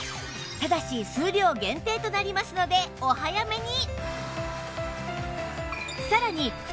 ただし数量限定となりますのでお早めに